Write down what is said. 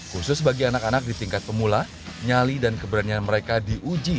khusus bagi anak anak di tingkat pemula nyali dan keberanian mereka diuji